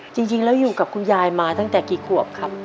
จริงแล้วอยู่กับคุณยายมาตั้งแต่กี่ขวบครับ